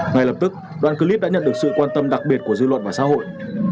ngay lập tức đoàn clip đã nhận được sự quan tâm đặc biệt của dư luận và xã hội